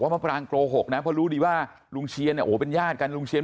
ว่ามะปรางโกหกนะเพราะรู้ดีว่าลุงเชียนเป็นญาติกันลุงเชียน